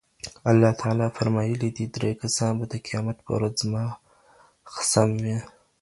الله تعالی فرمايلي دي، درې کسان به د قيامت په ورځ زما خصم وي